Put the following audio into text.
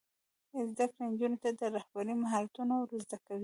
زده کړه نجونو ته د رهبرۍ مهارتونه ور زده کوي.